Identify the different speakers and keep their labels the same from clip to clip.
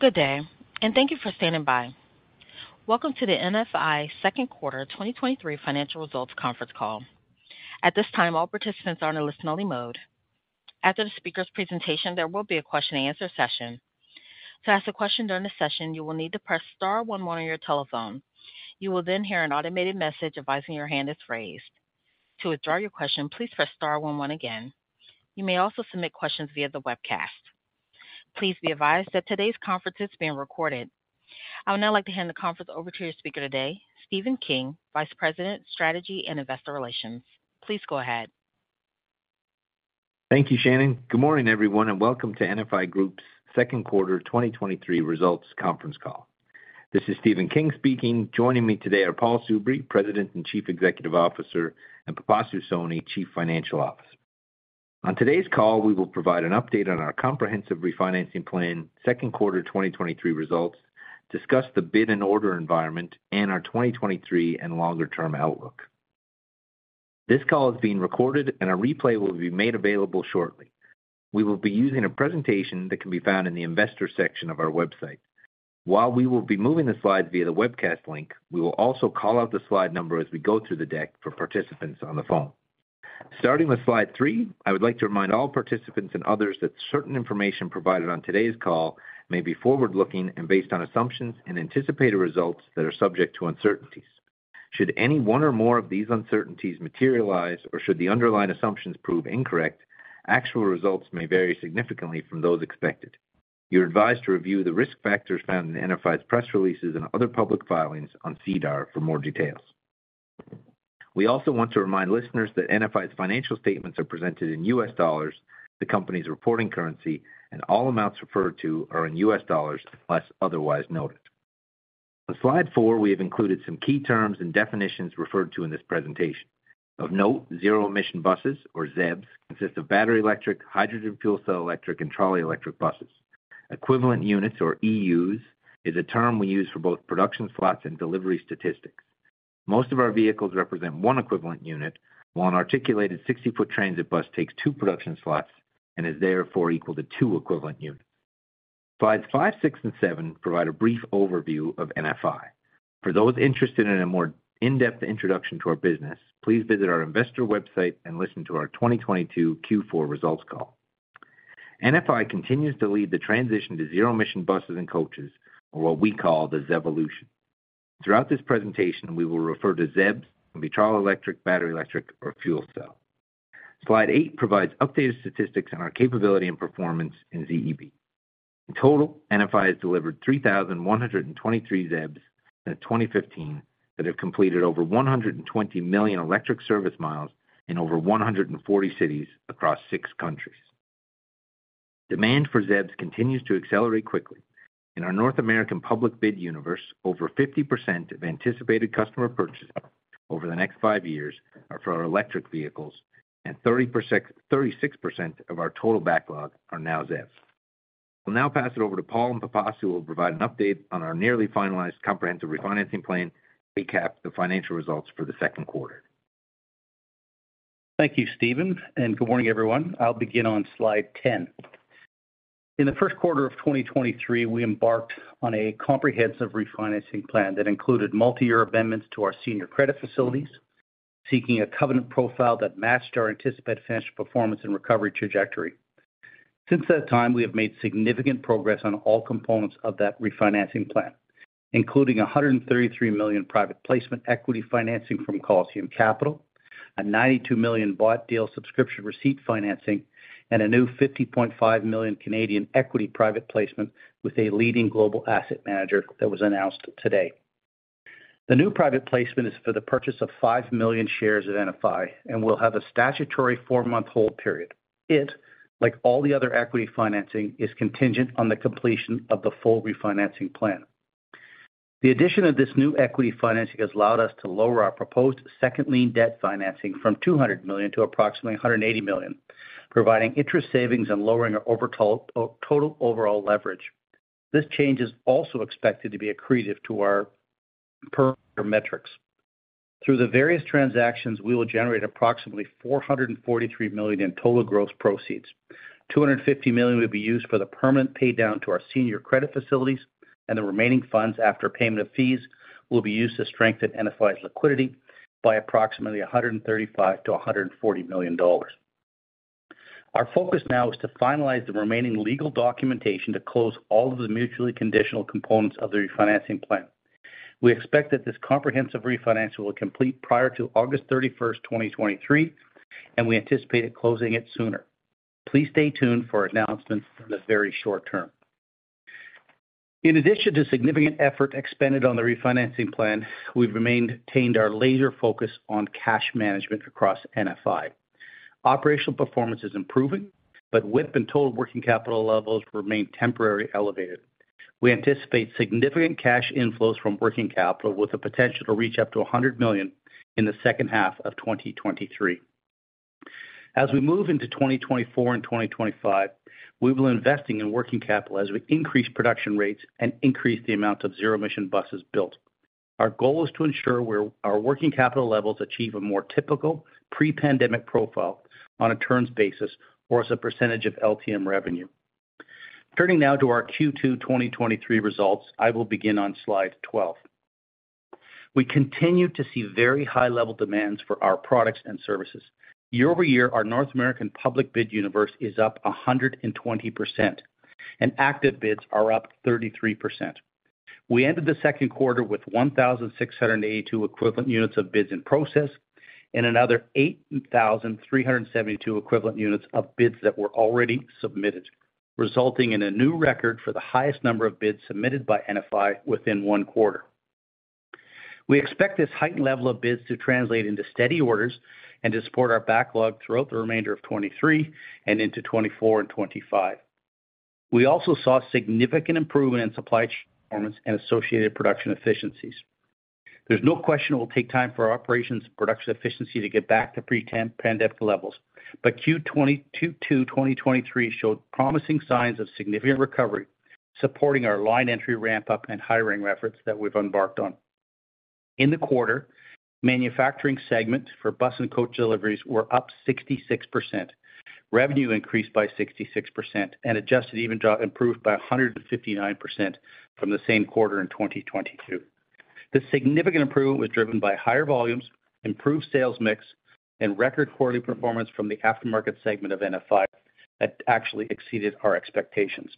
Speaker 1: Good day, and thank you for standing by. Welcome to the NFI second quarter 2023 financial results conference call. At this time, all participants are in a listen-only mode. After the speaker's presentation, there will be a question-and-answer session. To ask a question during the session, you will need to press star one one on your telephone. You will then hear an automated message advising your hand is raised. To withdraw your question, please press star one one again. You may also submit questions via the webcast. Please be advised that today's conference is being recorded. I would now like to hand the conference over to your speaker today, Stephen King, Vice President, Strategy and Investor Relations. Please go ahead.
Speaker 2: Thank you, Shannon. Good morning, everyone, and welcome to NFI Group's second quarter 2023 results conference call. This is Stephen King speaking. Joining me today are Paul Soubry, President and Chief Executive Officer, and Pipasu Soni, Chief Financial Officer. On today's call, we will provide an update on our comprehensive refinancing plan, second quarter 2023 results, discuss the bid and order environment, and our 2023 and longer-term outlook. This call is being recorded, and a replay will be made available shortly. We will be using a presentation that can be found in the investor section of our website. While we will be moving the slides via the webcast link, we will also call out the slide number as we go through the deck for participants on the phone. Starting with slide 3, I would like to remind all participants and others that certain information provided on today's call may be forward-looking and based on assumptions and anticipated results that are subject to uncertainties. Should any one or more of these uncertainties materialize, or should the underlying assumptions prove incorrect, actual results may vary significantly from those expected. You're advised to review the risk factors found in NFI's press releases and other public filings on SEDAR for more details. We also want to remind listeners that NFI's financial statements are presented in US dollars, the company's reporting currency, and all amounts referred to are in US dollars, unless otherwise noted. On slide 4, we have included some key terms and definitions referred to in this presentation. Of note, zero-emission buses, or ZEBs, consist of battery-electric, hydrogen fuel cell, electric, and trolley electric buses. Equivalent units, or EUs, is a term we use for both production slots and delivery statistics. Most of our vehicles represent one equivalent unit, while an articulated 60-foot transit bus takes two production slots and is therefore equal to two equivalent units. Slides 5, 6, and 7 provide a brief overview of NFI. For those interested in a more in-depth introduction to our business, please visit our investor website and listen to our 2022 Q4 results call. NFI continues to lead the transition to zero-emission buses and coaches, or what we call the ZEvolution. Throughout this presentation, we will refer to ZEBs, and trolley electric, battery-electric, or fuel cell. Slide 8 provides updated statistics on our capability and performance in ZEB. In total, NFI has delivered 3,123 ZEBs in 2015 that have completed over 120 million electric service miles in over 140 cities across 6 countries. Demand for ZEBs continues to accelerate quickly. In our North American public bid universe, over 50% of anticipated customer purchases over the next 5 years are for our electric vehicles, and 36% of our total backlog are now ZEBs. We'll now pass it over to Paul and Pipasu, who will provide an update on our nearly finalized comprehensive refinancing plan and recap the financial results for the second quarter.
Speaker 3: Thank you, Stephen. Good morning, everyone. I'll begin on slide 10. In the first quarter of 2023, we embarked on a comprehensive refinancing plan that included multi-year amendments to our senior credit facilities, seeking a covenant profile that matched our anticipated financial performance and recovery trajectory. Since that time, we have made significant progress on all components of that refinancing plan, including 133 million private placement equity financing from Coliseum Capital, 92 million bought deal subscription receipt financing, and a new 50.5 million Canadian dollars Canadian equity private placement with a leading global asset manager that was announced today. The new private placement is for the purchase of 5 million shares of NFI and will have a statutory 4-month hold period. It, like all the other equity financing, is contingent on the completion of the full refinancing plan. The addition of this new equity financing has allowed us to lower our proposed second lien debt financing from $200 million to approximately $180 million, providing interest savings and lowering our overall, total overall leverage. This change is also expected to be accretive to our per share metrics. Through the various transactions, we will generate approximately $443 million in total gross proceeds. $250 million will be used for the permanent paydown to our senior credit facilities, and the remaining funds after payment of fees will be used to strengthen NFI's liquidity by approximately $135 million-$140 million. Our focus now is to finalize the remaining legal documentation to close all of the mutually conditional components of the refinancing plan. We expect that this comprehensive refinance will complete prior to August 31st, 2023. We anticipate closing it sooner. Please stay tuned for announcements in the very short term. In addition to significant effort expended on the refinancing plan, we've retained our laser focus on cash management across NFI. Operational performance is improving, WIP and total working capital levels remain temporarily elevated. We anticipate significant cash inflows from working capital, with the potential to reach up to $100 million in the second half of 2023. As we move into 2024 and 2025, we will be investing in working capital as we increase production rates and increase the amount of zero-emission buses built. Our goal is to ensure our working capital levels achieve a more typical pre-pandemic profile on a terms basis or as a percentage of LTM revenue. Turning now to our Q2 2023 results, I will begin on slide 12. We continue to see very high level demands for our products and services. Year-over-year, our North American public bid universe is up 120%, and active bids are up 33%. We ended the second quarter with 1,682 Equivalent Units of bids in process and another 8,372 Equivalent Units of bids that were already submitted, resulting in a new record for the highest number of bids submitted by NFI within one quarter. We expect this heightened level of bids to translate into steady orders and to support our backlog throughout the remainder of 2023 and into 2024 and 2025. We also saw significant improvement in supply performance and associated production efficiencies. There's no question it will take time for our operations and production efficiency to get back to pre-pandemic levels. Q2 2023 showed promising signs of significant recovery, supporting our line entry ramp-up and hiring efforts that we've embarked on. In the quarter, manufacturing segment for bus and coach deliveries were up 66%. Revenue increased by 66%, adjusted EBITDA improved by 159% from the same quarter in 2022. This significant improvement was driven by higher volumes, improved sales mix, and record quarterly performance from the aftermarket segment of NFI that actually exceeded our expectations.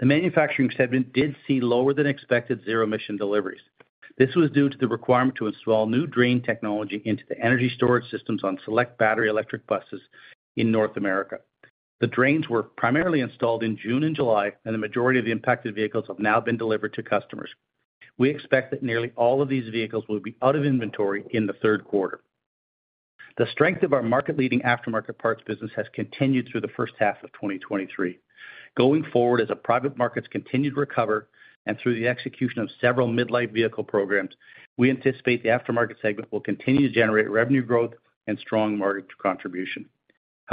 Speaker 3: The manufacturing segment did see lower than expected zero-emission deliveries. This was due to the requirement to install new drain technology into the energy storage systems on select battery-electric buses in North America. The drains were primarily installed in June and July, and the majority of the impacted vehicles have now been delivered to customers. We expect that nearly all of these vehicles will be out of inventory in the third quarter. The strength of our market-leading aftermarket parts business has continued through the first half of 2023. Going forward, as the private markets continue to recover and through the execution of several mid-life vehicle programs, we anticipate the aftermarket segment will continue to generate revenue growth and strong margin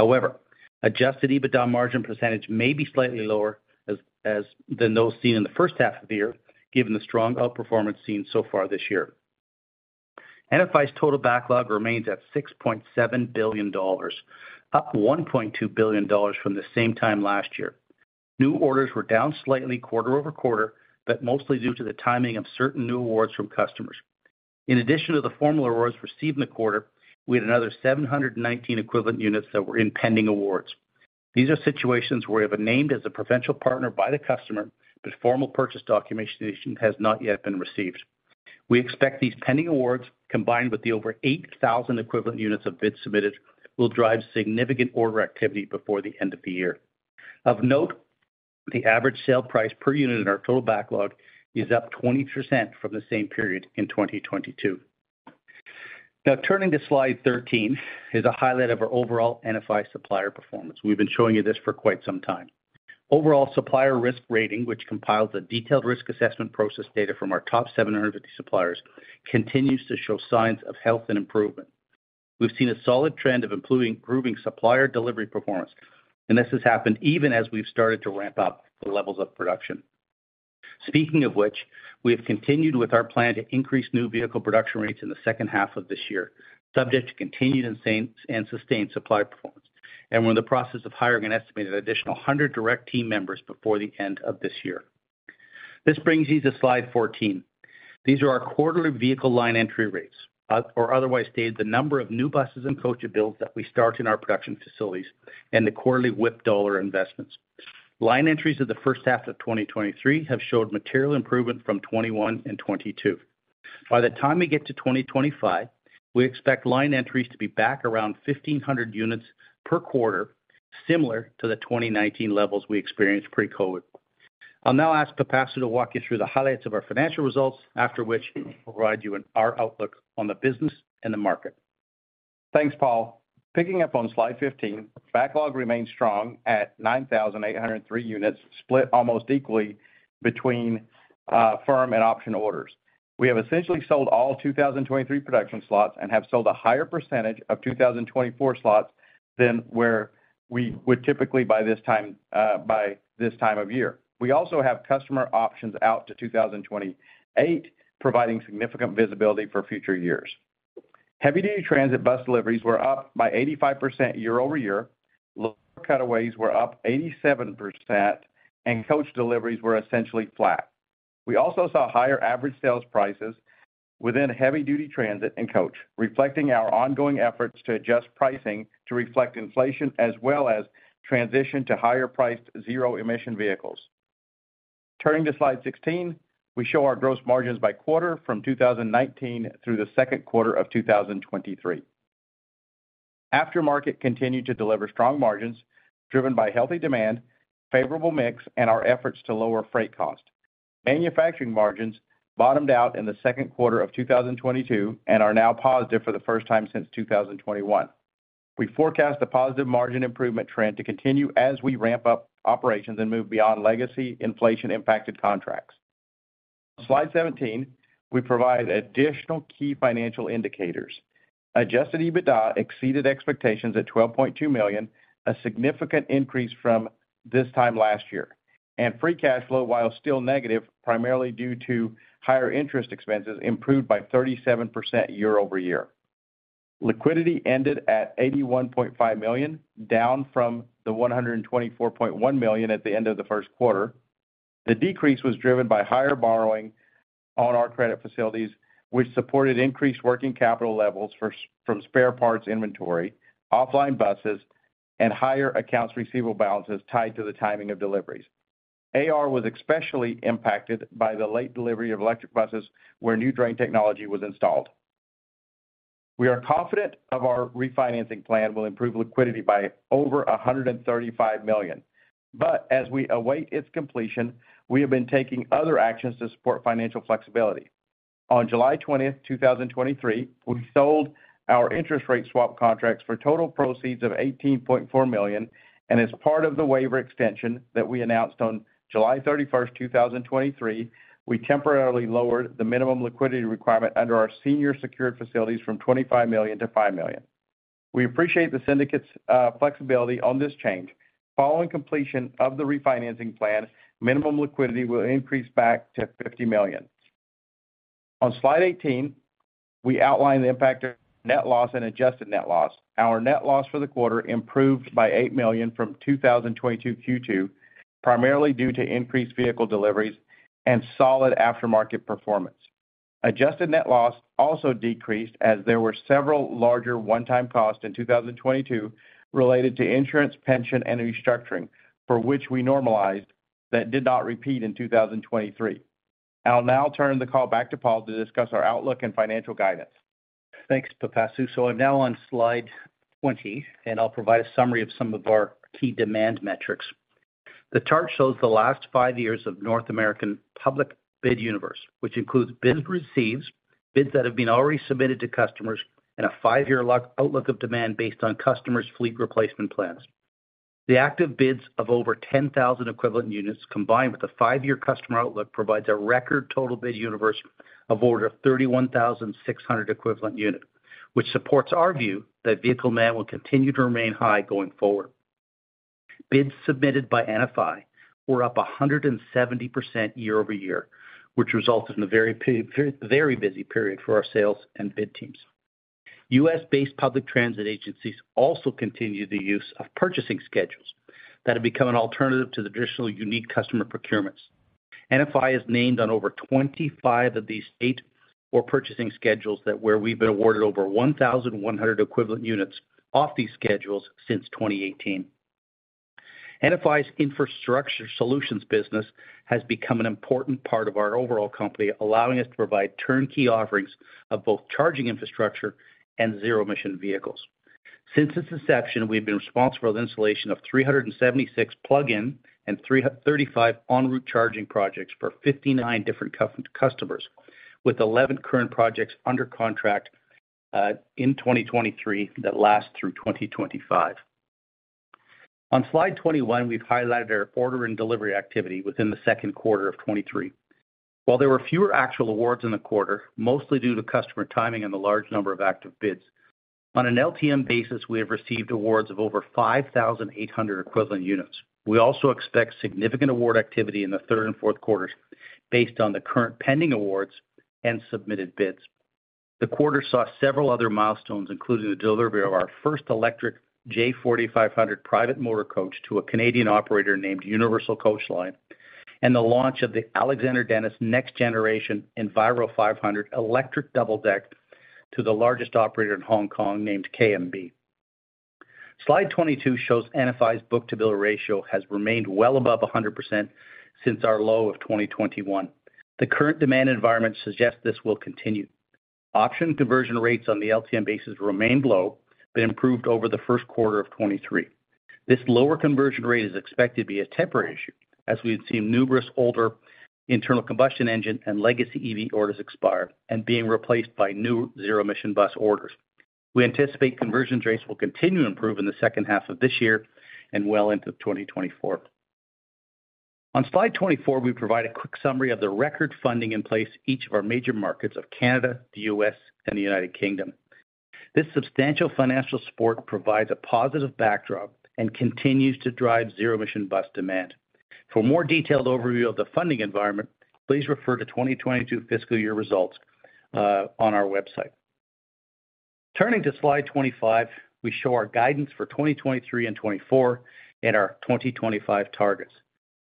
Speaker 3: contribution. However, adjusted EBITDA margin percentage may be slightly lower as than those seen in the first half of the year, given the strong outperformance seen so far this year. NFI's total backlog remains at $6.7 billion, up $1.2 billion from the same time last year. New orders were down slightly quarter-over-quarter, but mostly due to the timing of certain new awards from customers. In addition to the formal awards received in the quarter, we had another 719 Equivalent Units that were in pending awards. These are situations where we have been named as a provincial partner by the customer, but formal purchase documentation has not yet been received. We expect these pending awards, combined with the over 8,000 Equivalent Units of bids submitted, will drive significant order activity before the end of the year. Of note, the average sale price per unit in our total backlog is up 20% from the same period in 2022. Now, turning to slide 13 is a highlight of our overall NFI supplier performance. We've been showing you this for quite some time. Overall supplier risk rating, which compiles a detailed risk assessment process data from our top 750 suppliers, continues to show signs of health and improvement. We've seen a solid trend of improving, improving supplier delivery performance, and this has happened even as we've started to ramp up the levels of production. Speaking of which, we have continued with our plan to increase new vehicle production rates in the second half of this year, subject to continued and sustained supply performance. We're in the process of hiring an estimated additional 100 direct team members before the end of this year. This brings me to slide 14. These are our quarterly vehicle line entry rates, or otherwise stated, the number of new buses and coach builds that we start in our production facilities and the quarterly WIP dollar investments. Line entries of the first half of 2023 have showed material improvement from 2021 and 2022. By the time we get to 2025, we expect line entries to be back around 1,500 units per quarter, similar to the 2019 levels we experienced pre-COVID. I'll now ask Pipasu Soni to walk you through the highlights of our financial results, after which we'll provide you with our outlook on the business and the market.
Speaker 4: Thanks, Paul. Picking up on slide 15, backlog remains strong at 9,803 units, split almost equally between firm and option orders. We have essentially sold all 2023 production slots and have sold a higher percentage of 2024 slots than where we would typically by this time, by this time of year. We also have customer options out to 2028, providing significant visibility for future years. Heavy-duty transit bus deliveries were up by 85% year-over-year. Lower cutaways were up 87%, and coach deliveries were essentially flat. We also saw higher average sales prices within heavy-duty transit and coach, reflecting our ongoing efforts to adjust pricing to reflect inflation as well as transition to higher priced zero-emission vehicles. Turning to slide 16, we show our gross margins by quarter from 2019 through the second quarter of 2023. Aftermarket continued to deliver strong margins driven by healthy demand, favorable mix, and our efforts to lower freight cost. Manufacturing margins bottomed out in the second quarter of 2022 and are now positive for the first time since 2021. We forecast a positive margin improvement trend to continue as we ramp up operations and move beyond legacy inflation-impacted contracts. Slide 17, we provide additional key financial indicators. Adjusted EBITDA exceeded expectations at $12.2 million, a significant increase from this time last year, and free cash flow, while still negative, primarily due to higher interest expenses, improved by 37% year-over-year. Liquidity ended at $81.5 million, down from the $124.1 million at the end of the first quarter. The decrease was driven by higher borrowing on our credit facilities, which supported increased working capital levels from spare parts inventory, offline buses, and higher accounts receivable balances tied to the timing of deliveries. AR was especially impacted by the late delivery of electric buses, where new drain technology was installed. We are confident of our refinancing plan will improve liquidity by over $$135 million, but as we await its completion, we have been taking other actions to support financial flexibility. On July 20th, 2023, we sold our interest rate swap contracts for total proceeds of $18.4 million. As part of the waiver extension that we announced on July 31st, 2023, we temporarily lowered the minimum liquidity requirement under our senior secured facilities from $25 million to $5 million. We appreciate the syndicate's flexibility on this change. Following completion of the refinancing plan, minimum liquidity will increase back to $50 million. On slide 18, we outline the impact of net loss and adjusted net loss. Our net loss for the quarter improved by $8 million from 2022 Q2, primarily due to increased vehicle deliveries and solid aftermarket performance. Adjusted net loss also decreased as there were several larger one-time costs in 2022 related to insurance, pension, and restructuring, for which we normalized, that did not repeat in 2023. I'll now turn the call back to Paul to discuss our outlook and financial guidance.
Speaker 3: Thanks, Pipasu. I'm now on slide 20, and I'll provide a summary of some of our key demand metrics. The chart shows the last five years of North American public bid universe, which includes bids received, bids that have been already submitted to customers, and a five-year luck outlook of demand based on customers' fleet replacement plans. The active bids of over 10,000 equivalent units, combined with the five-year customer outlook, provides a record total bid universe of order of 31,600 equivalent unit, which supports our view that vehicle demand will continue to remain high going forward. Bids submitted by NFI were up 170% year-over-year, which resulted in a very, very busy period for our sales and bid teams. U.S.-based public transit agencies also continue the use of purchasing schedules that have become an alternative to the traditional unique customer procurements. NFI is named on over 25 of these state or purchasing schedules where we've been awarded over 1,100 Equivalent Units off these schedules since 2018. NFI Infrastructure Solutions business has become an important part of our overall company, allowing us to provide turnkey offerings of both charging infrastructure and zero-emission vehicles. Since its inception, we've been responsible for the installation of 376 plug-in and 335 en route charging projects for 59 different customers, with 11 current projects under contract in 2023, that last through 2025. On slide 21, we've highlighted our order and delivery activity within the second quarter of 2023. While there were fewer actual awards in the quarter, mostly due to customer timing and the large number of active bids, on an LTM basis, we have received awards of over 5,800 equivalent units. We also expect significant award activity in the third and fourth quarters based on the current pending awards and submitted bids. The quarter saw several other milestones, including the delivery of our first electric J4500 private motor coach to a Canadian operator named Universal Coach Line, and the launch of the Alexander Dennis next generation Enviro500 electric double deck to the largest operator in Hong Kong, named KMB. Slide 22 shows NFI's book-to-bill ratio has remained well above 100% since our low of 2021. The current demand environment suggests this will continue. Option conversion rates on the LTM basis remain low but improved over the first quarter of 2023. This lower conversion rate is expected to be a temporary issue, as we've seen numerous older internal combustion engine and legacy EV orders expire and being replaced by new zero-emission bus orders. We anticipate conversion rates will continue to improve in the second half of this year and well into 2024. On slide 24, we provide a quick summary of the record funding in place each of our major markets of Canada, the U.S., and the United Kingdom. This substantial financial support provides a positive backdrop and continues to drive zero-emission bus demand. For a more detailed overview of the funding environment, please refer to 2022 fiscal year results on our website. Turning to slide 25, we show our guidance for 2023 and 2024 and our 2025 targets.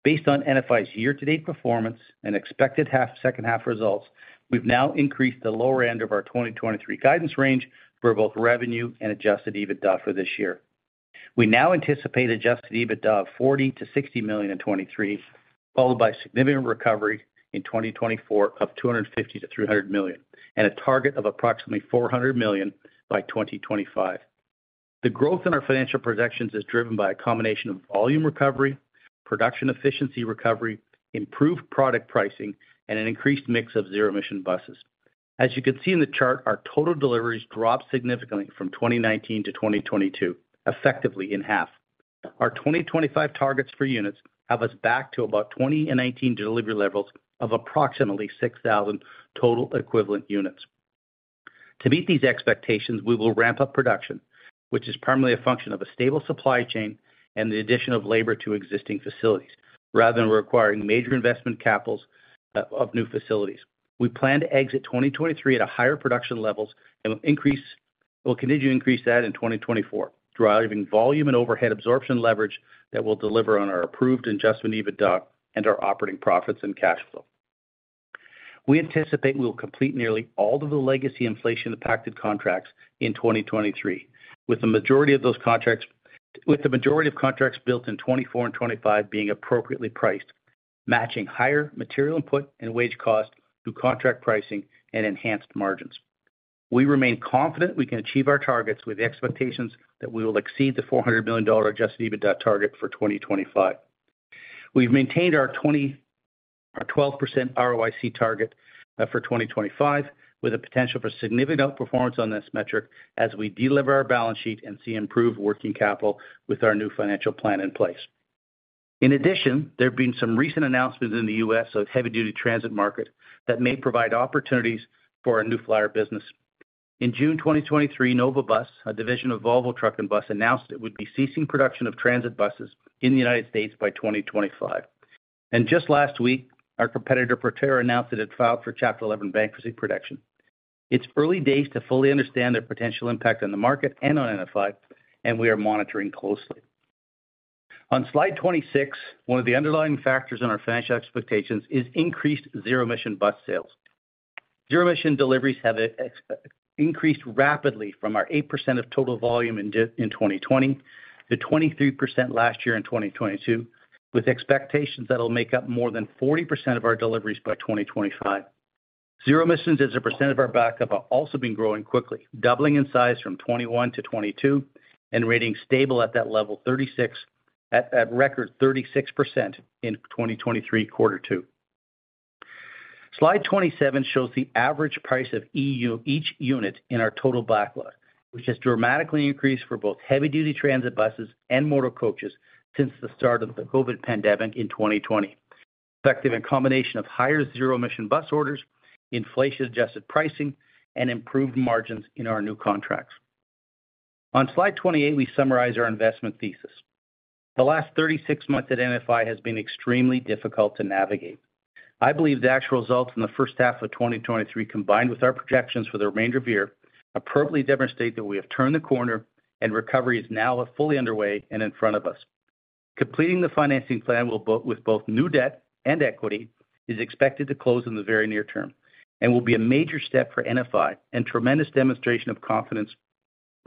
Speaker 3: Based on NFI's year-to-date performance and expected half, second half results, we've now increased the lower end of our 2023 guidance range for both revenue and adjusted EBITDA for this year. We now anticipate adjusted EBITDA of $40 million-$60 million in 2023, followed by significant recovery in 2024 of $250 million-$300 million, and a target of approximately $400 million by 2025. The growth in our financial projections is driven by a combination of volume recovery, production efficiency recovery, improved product pricing, and an increased mix of zero-emission buses. As you can see in the chart, our total deliveries dropped significantly from 2019 to 2022, effectively in half. Our 2025 targets for units have us back to about 2018 delivery levels of approximately 6,000 total Equivalent Units. To meet these expectations, we will ramp up production, which is primarily a function of a stable supply chain and the addition of labor to existing facilities, rather than requiring major investment capitals of new facilities. We plan to exit 2023 at a higher production levels and we'll continue to increase that in 2024, driving volume and overhead absorption leverage that will deliver on our approved adjusted EBITDA and our operating profits and cash flow. We anticipate we will complete nearly all of the legacy inflation-impacted contracts in 2023, with the majority of contracts built in 2024 and 2025 being appropriately priced, matching higher material input and wage cost through contract pricing and enhanced margins. We remain confident we can achieve our targets, with expectations that we will exceed the $400 million adjusted EBITDA target for 2025. We've maintained our 12% ROIC target for 2025, with a potential for significant outperformance on this metric as we de-lever our balance sheet and see improved working capital with our new financial plan in place. In addition, there have been some recent announcements in the U.S. of heavy-duty transit market that may provide opportunities for our New Flyer business. In June 2023, Nova Bus, a division of Volvo Truck and Bus, announced it would be ceasing production of transit buses in the United States by 2025. Just last week, our competitor, Proterra, announced that it filed for Chapter 11 bankruptcy protection. It's early days to fully understand their potential impact on the market and on NFI, We are monitoring closely. On slide 26, one of the underlying factors in our financial expectations is increased zero-emission bus sales. Zero-emission deliveries have increased rapidly from our 8% of total volume in 2020, to 23% last year in 2022, with expectations that'll make up more than 40% of our deliveries by 2025. Zero emissions, as a percent of our backup, have also been growing quickly, doubling in size from 21 to 22, and remaining stable at that level, 36, at record 36% in 2023 quarter two. Slide 27 shows the average price of each unit in our total backlog, which has dramatically increased for both heavy-duty transit buses and motor coaches since the start of the COVID pandemic in 2020. Effective in combination of higher zero-emission bus orders, inflation-adjusted pricing, and improved margins in our new contracts. On slide 28, we summarize our investment thesis. The last 36 months at NFI has been extremely difficult to navigate. I believe the actual results from the first half of 2023, combined with our projections for the remainder of the year, appropriately demonstrate that we have turned the corner and recovery is now fully underway and in front of us. Completing the financing plan with both new debt and equity, is expected to close in the very near term and will be a major step for NFI and tremendous demonstration of confidence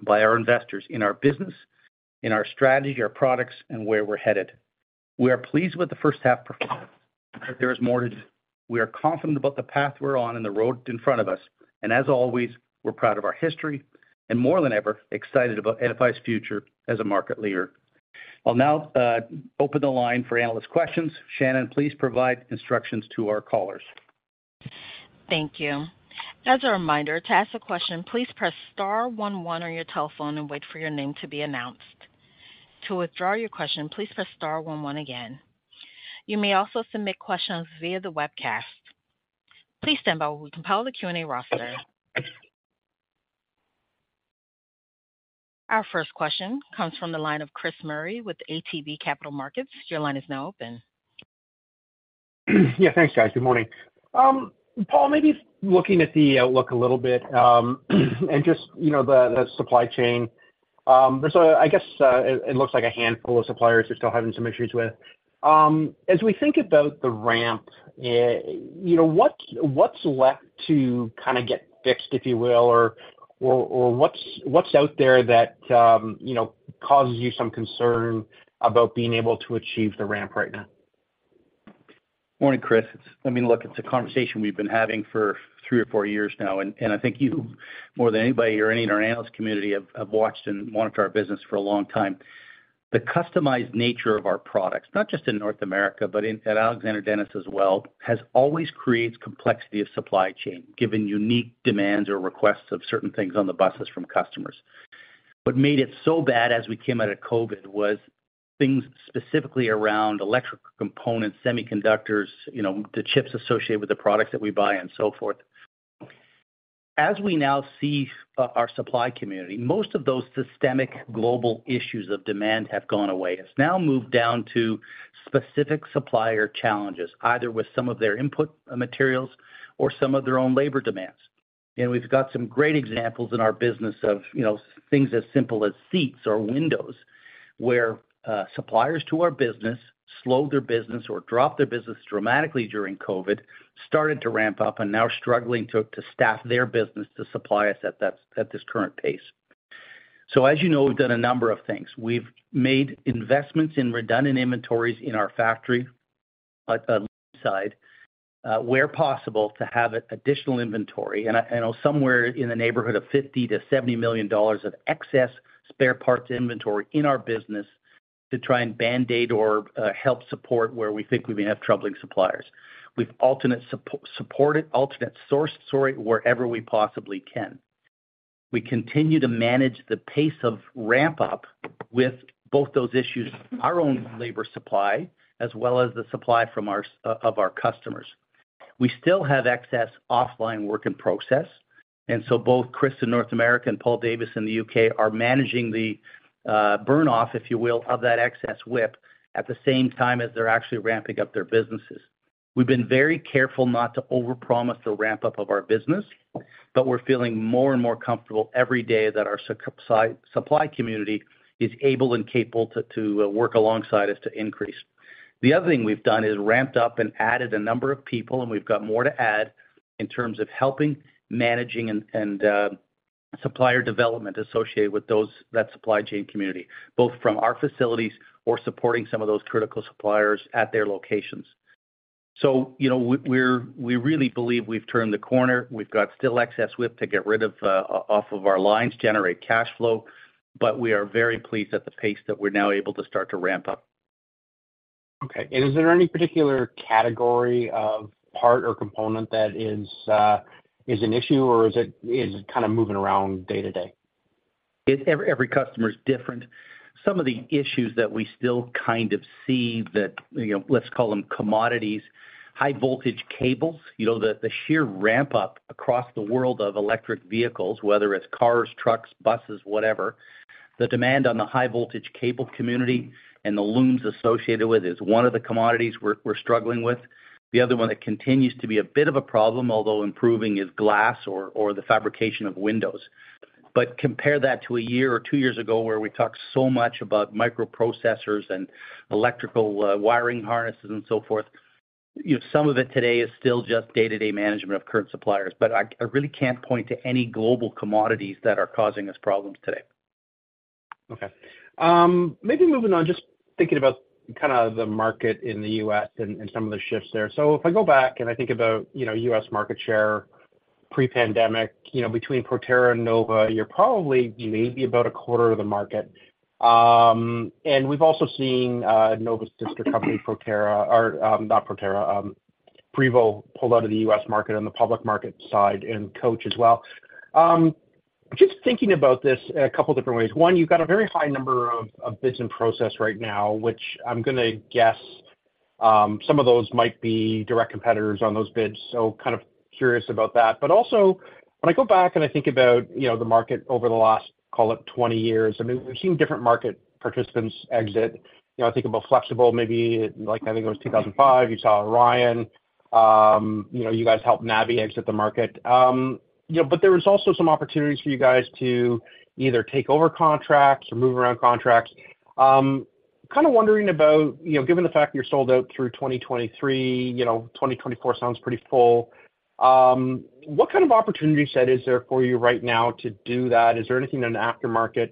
Speaker 3: by our investors in our business, in our strategy, our products, and where we're headed. We are pleased with the first half performance. There is more to do. We are confident about the path we're on and the road in front of us, and as always, we're proud of our history and, more than ever, excited about NFI's future as a market leader. I'll now open the line for analyst questions. Shannon, please provide instructions to our callers.
Speaker 1: Thank you. As a reminder, to ask a question, please press star one one on your telephone and wait for your name to be announced. To withdraw your question, please press star one one again. You may also submit questions via the webcast. Please stand by while we compile the Q&A roster. Our first question comes from the line of Chris Murray with ATB Capital Markets. Your line is now open.
Speaker 5: Yeah, thanks, guys. Good morning. Paul, maybe looking at the outlook a little bit, and just, you know, the, the supply chain. There's a, I guess, it, it looks like a handful of suppliers you're still having some issues with. As we think about the ramp, you know, what's, what's left to kind of get fixed, if you will, or, or, or what's, what's out there that, you know, causes you some concern about being able to achieve the ramp right now?
Speaker 3: Morning, Chris. I mean, look, it's a conversation we've been having for three or four years now, I think you, more than anybody or any in our analyst community, have watched and monitored our business for a long time. The customized nature of our products, not just in North America, but at Alexander Dennis as well, has always creates complexity of supply chain, given unique demands or requests of certain things on the buses from customers. What made it so bad as we came out of COVID was things specifically around electric components, semiconductors, you know, the chips associated with the products that we buy and so forth. As we now see, our supply community, most of those systemic global issues of demand have gone away. It's now moved down to specific supplier challenges, either with some of their input materials or some of their own labor demands. We've got some great examples in our business of, you know, things as simple as seats or windows, where suppliers to our business slowed their business or dropped their business dramatically during COVID, started to ramp up, and now struggling to staff their business to supply us at this current pace. As you know, we've done a number of things. We've made investments in redundant inventories in our factory side, where possible, to have additional inventory and somewhere in the neighborhood of $50 million-$70 million of excess spare parts inventory in our business to try and band-aid or help support where we think we may have troubling suppliers. We've alternate sourced, sorry, wherever we possibly can. We continue to manage the pace of ramp up with both those issues, our own labor supply, as well as the supply from our of our customers. We still have excess offline work in process, so both Chris in North America and Paul Davies in the U.K. are managing the burn off, if you will, of that excess WIP at the same time as they're actually ramping up their businesses. We've been very careful not to overpromise the ramp up of our business, we're feeling more and more comfortable every day that our supply community is able and capable to, to work alongside us to increase. The other thing we've done is ramped up and added a number of people, and we've got more to add in terms of helping, managing and, and supplier development associated with those that supply chain community, both from our facilities or supporting some of those critical suppliers at their locations. You know, we, we really believe we've turned the corner. We've got still excess WIP to get rid of off of our lines, generate cash flow. We are very pleased at the pace that we're now able to start to ramp up.
Speaker 5: Okay. Is there any particular category of part or component that is, is an issue, or is it, is it kind of moving around day to day?
Speaker 3: Every customer is different. Some of the issues that we still kind of see that, you know, let's call them commodities, high voltage cables. You know, the sheer ramp up across the world of electric vehicles, whether it's cars, trucks, buses, whatever, the demand on the high voltage cable community and the looms associated with it is one of the commodities we're struggling with. The other one that continues to be a bit of a problem, although improving, is glass or the fabrication of windows. Compare that to a year or two years ago, where we talked so much about microprocessors and electrical wiring harnesses and so forth. You know, some of it today is still just day-to-day management of current suppliers, but I really can't point to any global commodities that are causing us problems today.
Speaker 5: Okay. Maybe moving on, just thinking about kind of the market in the U.S. and, and some of the shifts there. If I go back and I think about, you know, U.S. market share pre-pandemic, you know, between Proterra and Nova, you're probably maybe about a quarter of the market. And we've also seen Nova's sister company, Proterra, or not Proterra, Prevost pull out of the U.S. market on the public market side and coach as well. Just thinking about this a couple different ways. One, you've got a very high number of bids in process right now, which I'm gonna guess some of those might be direct competitors on those bids. Kind of curious about that. Also when I go back and I think about, you know, the market over the last, call it, 20 years, I mean, we've seen different market participants exit. You know, I think about Flxible, maybe like, I think it was 2005, you saw Orion, you know, you guys helped Orion exit the market. You know, but there was also some opportunities for you guys to either take over contracts or move around contracts. Kind of wondering about, you know, given the fact you're sold out through 2023, you know, 2024 sounds pretty full, what kind of opportunity set is there for you right now to do that? Is there anything in the aftermarket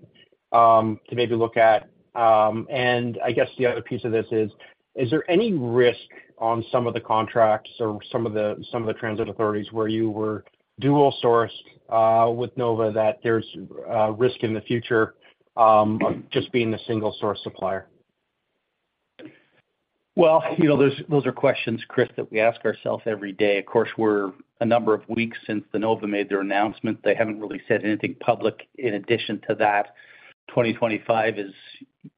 Speaker 5: to maybe look at? I guess the other piece of this is: Is there any risk on some of the contracts or some of the, some of the transit authorities where you were dual sourced with Nova, that there's risk in the future of just being the single source supplier?
Speaker 3: Well, you know, those, those are questions, Chris, that we ask ourselves every day. Of course, we're a number of weeks since the Nova made their announcement. They haven't really said anything public in addition to that. 2025 is,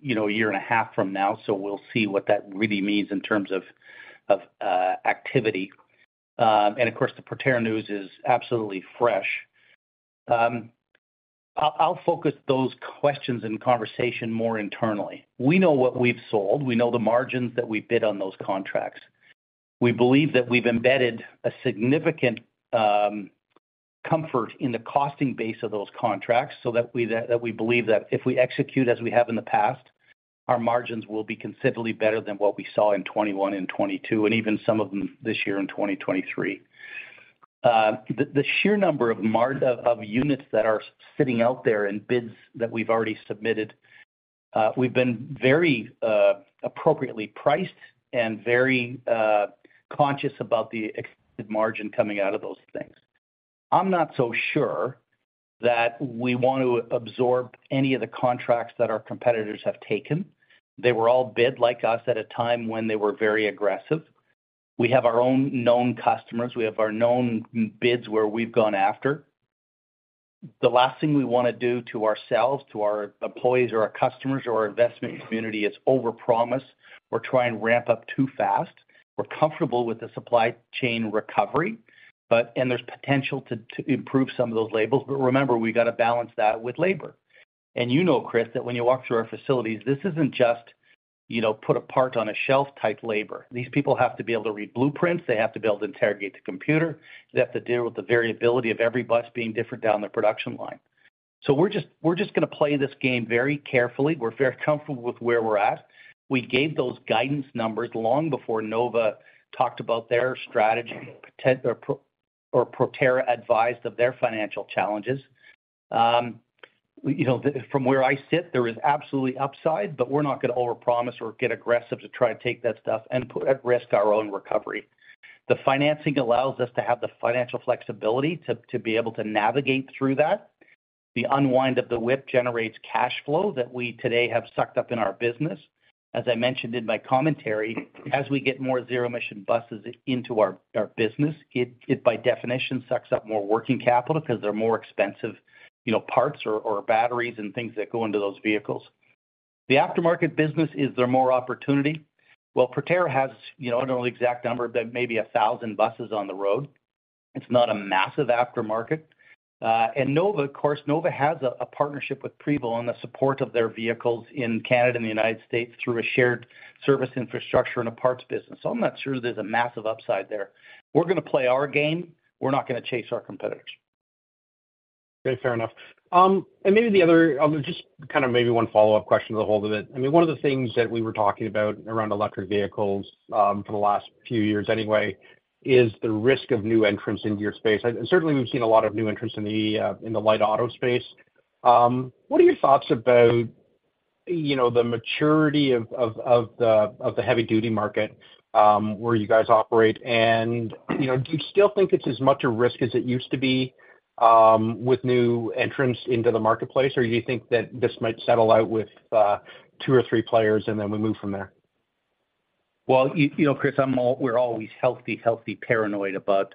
Speaker 3: you know, a year and a half from now, so we'll see what that really means in terms of, of activity. Of course, the Proterra news is absolutely fresh. I'll, I'll focus those questions and conversation more internally. We know what we've sold. We know the margins that we bid on those contracts. We believe that we've embedded a significant comfort in the costing base of those contracts so that we believe that if we execute as we have in the past, our margins will be considerably better than what we saw in 2021 and 2022, and even some of them this year in 2023. The sheer number of units that are sitting out there in bids that we've already submitted, we've been very appropriately priced and very conscious about the expected margin coming out of those things. I'm not so sure that we want to absorb any of the contracts that our competitors have taken. They were all bid like us at a time when they were very aggressive. We have our own known customers. We have our own bids where we've gone after. The last thing we want to do to ourselves, to our employees or our customers or our investment community, is overpromise or try and ramp up too fast. We're comfortable with the supply chain recovery, but there's potential to improve some of those levels. Remember, we got to balance that with labor. You know, Chris, that when you walk through our facilities, this isn't just, you know, put a part on a shelf type labor. These people have to be able to read blueprints. They have to be able to interrogate the computer. They have to deal with the variability of every bus being different down the production line. We're just going to play this game very carefully. We're very comfortable with where we're at. We gave those guidance numbers long before Nova talked about their strategy, Proterra advised of their financial challenges. You know, from where I sit, there is absolutely upside, but we're not going to overpromise or get aggressive to try to take that stuff and put at risk our own recovery. The financing allows us to have the financial flexibility to be able to navigate through that. The unwind of the WIP generates cash flow that we today have sucked up in our business. As I mentioned in my commentary, as we get more zero-emission buses into our business, it by definition, sucks up more working capital because they're more expensive, you know, parts or, or batteries and things that go into those vehicles. The aftermarket business, is there more opportunity? Well, Proterra has, you know, I don't know the exact number, but maybe 1,000 buses on the road. It's not a massive aftermarket. Nova, of course, Nova has a partnership with Prevost and the support of their vehicles in Canada and the United States through a shared service infrastructure and a parts business. I'm not sure there's a massive upside there. We're going to play our game. We're not going to chase our competitors.
Speaker 5: Okay, fair enough. Just kind of maybe one follow-up question to the whole of it. I mean, one of the things that we were talking about around electric vehicles, for the last few years anyway, is the risk of new entrants into your space. Certainly, we've seen a lot of new entrants in the light auto space. What are your thoughts about, you know, the maturity of the heavy-duty market, where you guys operate? You know, do you still think it's as much a risk as it used to be, with new entrants into the marketplace, or do you think that this might settle out with two or three players, and then we move from there?
Speaker 3: Well, you know, Chris, I'm we're always healthy, healthy, paranoid about,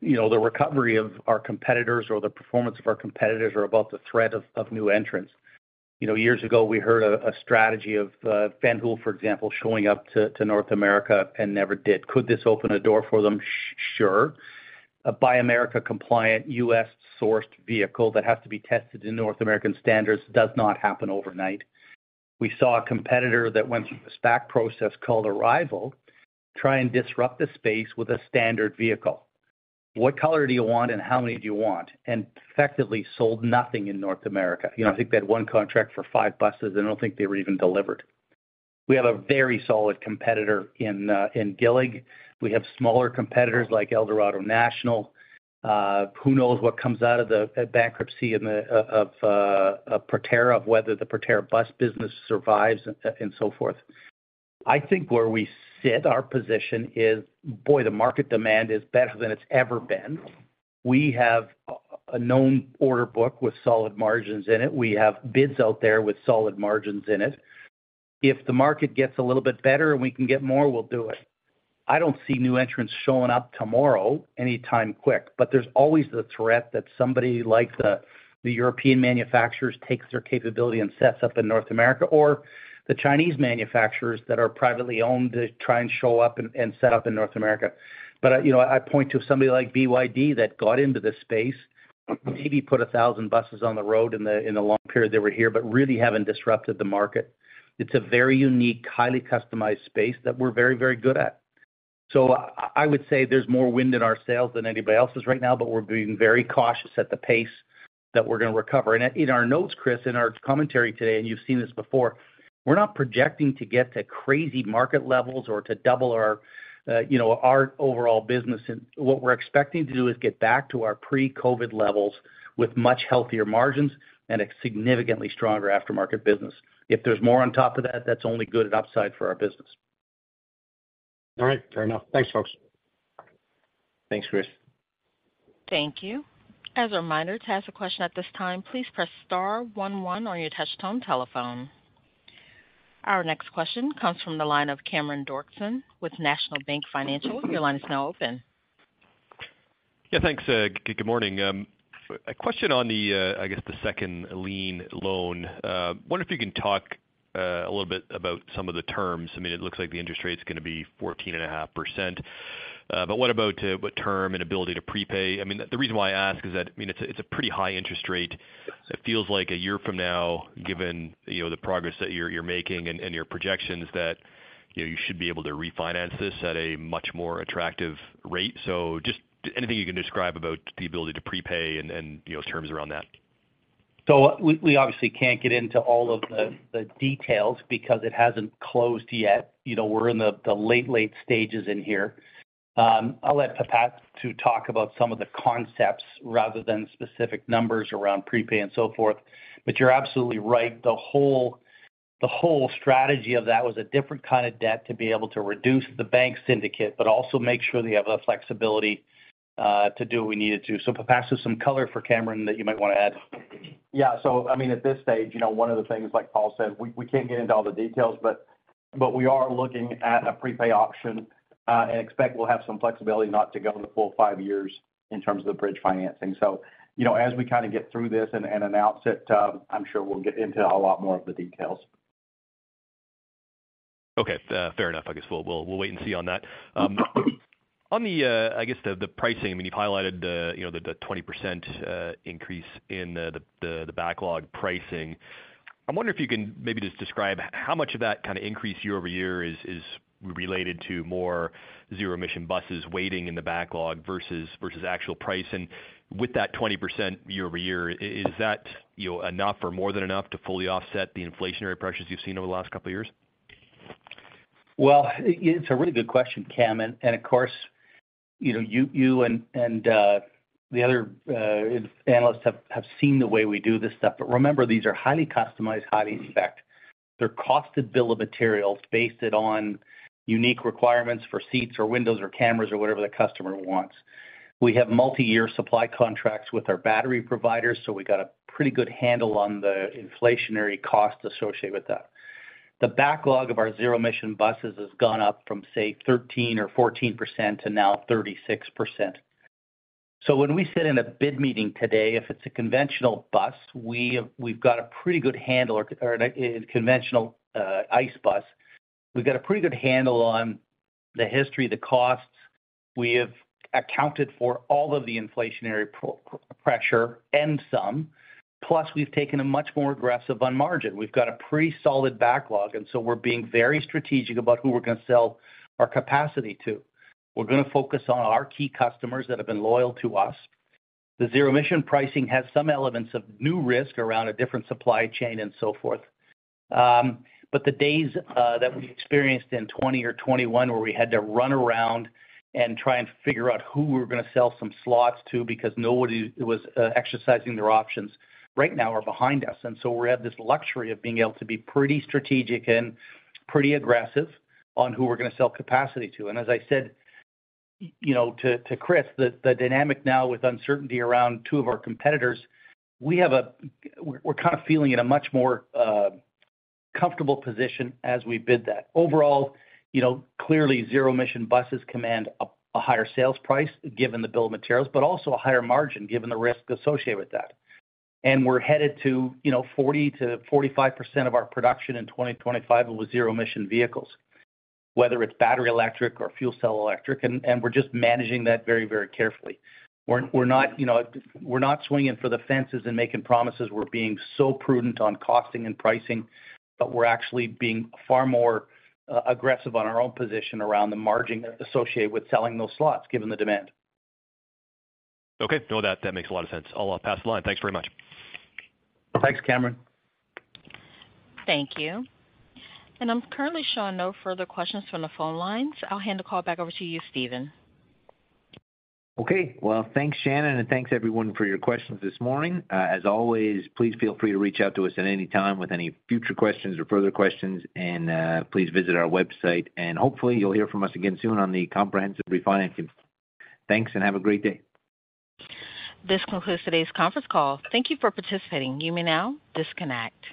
Speaker 3: you know, the recovery of our competitors or the performance of our competitors, or about the threat of new entrants. You know, years ago, we heard a strategy of Van Hool, for example, showing up to North America and never did. Could this open a door for them? Sure. A Buy America compliant U.S.-sourced vehicle that has to be tested in North American standards does not happen overnight. We saw a competitor that went through the SPAC process called Arrival, try and disrupt the space with a standard vehicle. What color do you want and how many do you want? Effectively sold nothing in North America. You know, I think they had one contract for five buses. I don't think they were even delivered. We have a very solid competitor in Gillig. We have smaller competitors like ElDorado National. Who knows what comes out of the bankruptcy and of Proterra, of whether the Proterra bus business survives and so forth. I think where we sit, our position is, boy, the market demand is better than it's ever been. We have a, a known order book with solid margins in it. We have bids out there with solid margins in it. If the market gets a little bit better and we can get more, we'll do it. I don't see new entrants showing up tomorrow, anytime quick, but there's always the threat that somebody like the, the European manufacturers takes their capability and sets up in North America, or the Chinese manufacturers that are privately owned to try and show up and, and set up in North America. You know, I point to somebody like BYD that got into this space, maybe put 1,000 buses on the road in the, in the long period they were here, but really haven't disrupted the market. It's a very unique, highly customized space that we're very, very good at. I would say there's more wind in our sails than anybody else's right now, but we're being very cautious at the pace that we're going to recover. In our notes, Chris, in our commentary today, and you've seen this before, we're not projecting to get to crazy market levels or to double our, you know, our overall business. What we're expecting to do is get back to our pre-COVID levels with much healthier margins and a significantly stronger aftermarket business. If there's more on top of that, that's only good at upside for our business.
Speaker 5: All right, fair enough. Thanks, folks.
Speaker 3: Thanks, Chris.
Speaker 1: Thank you. As a reminder, to ask a question at this time, please press star one one on your touchtone telephone. Our next question comes from the line of Cameron Doerksen with National Bank Financial. Your line is now open.
Speaker 6: Yeah, thanks. Good morning. A question on the, I guess, the second lien loan. Wonder if you can talk a little bit about some of the terms. I mean, it looks like the interest rate is going to be 14.5%. What about what term and ability to prepay? I mean, the reason why I ask is that, I mean, it's a pretty high interest rate. It feels like a year from now, given, you know, the progress that you're making and your projections, that, you know, you should be able to refinance this at a much more attractive rate. Just anything you can describe about the ability to prepay and, you know, terms around that.
Speaker 3: We, we obviously can't get into all of the, the details because it hasn't closed yet. You know, we're in the, the late, late stages in here. I'll let Pipasu to talk about some of the concepts rather than specific numbers around prepay and so forth. But you're absolutely right. The whole, the whole strategy of that was a different kind of debt to be able to reduce the bank syndicate, but also make sure that you have the flexibility to do what we needed to. Pipasu, there's some color for Cameron that you might want to add.
Speaker 4: Yeah. I mean, at this stage, you know, one of the things, like Paul said, we, we can't get into all the details, but, but we are looking at a prepay option and expect we'll have some flexibility not to go the full five years in terms of the bridge financing. You know, as we kind of get through this and, and announce it, I'm sure we'll get into a lot more of the details.
Speaker 6: Okay, fair enough. I guess we'll, we'll, we'll wait and see on that. On the, I guess, the, the pricing, I mean, you've highlighted the, you know, the, the 20% increase in the, the, the backlog pricing. I'm wondering if you can maybe just describe how much of that kind of increase year-over-year is, is related to more zero-emission buses waiting in the backlog versus, versus actual pricing. With that 20% year-over-year, is that, you know, enough or more than enough to fully offset the inflationary pressures you've seen over the last couple of years?
Speaker 3: Well, it's a really good question, Cameron Doerksen. Of course, you know, you, you and, and the other analysts have seen the way we do this stuff. Remember, these are highly customized, highly spec. They're costed bill of materials based it on unique requirements for seats or windows or cameras or whatever the customer wants. We have multi-year supply contracts with our battery providers, so we got a pretty good handle on the inflationary cost associated with that. The backlog of our zero-emission buses has gone up from, say, 13% or 14% to now 36%. When we sit in a bid meeting today, if it's a conventional bus, we, we've got a pretty good handle or, or a conventional ICE bus. We've got a pretty good handle on the history, the costs. We have accounted for all of the inflationary pro-pressure and some. Plus, we've taken a much more aggressive on margin. We've got a pretty solid backlog, we're being very strategic about who we're going to sell our capacity to. We're going to focus on our key customers that have been loyal to us. The zero-emission pricing has some elements of new risk around a different supply chain and so forth. The days that we experienced in 2020 or 2021, where we had to run around and try and figure out who we were going to sell some slots to because nobody was exercising their options right now are behind us. We have this luxury of being able to be pretty strategic and pretty aggressive on who we're going to sell capacity to. As I said, you know, to Chris, the dynamic now with uncertainty around two of our competitors, we're kind of feeling in a much more comfortable position as we bid that. Overall, you know, clearly, zero-emission buses command a higher sales price given the bill of materials, but also a higher margin given the risk associated with that. We're headed to, you know, 40%-45% of our production in 2025 with zero-emission vehicles, whether it's battery-electric or fuel cell electric. We're just managing that very, very carefully. We're, we're not, you know, we're not swinging for the fences and making promises. We're being so prudent on costing and pricing, but we're actually being far more aggressive on our own position around the margin associated with selling those slots, given the demand.
Speaker 6: Okay, no, that, that makes a lot of sense. I'll pass the line. Thanks very much.
Speaker 3: Thanks, Cameron.
Speaker 1: Thank you. I'm currently showing no further questions from the phone lines. I'll hand the call back over to you, Stephen.
Speaker 3: Okay. Well, thanks, Shannon, and thanks everyone for your questions this morning. As always, please feel free to reach out to us at any time with any future questions or further questions. Please visit our website and hopefully you'll hear from us again soon on the comprehensive refinancing. Thanks. Have a great day.
Speaker 1: This concludes today's conference call. Thank Thank you for participating. You may now disconnect.